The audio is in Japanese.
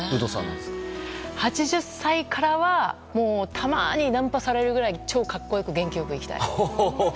８０歳からはたまに、ナンパされるぐらいに超格好よく元気良く生きたい。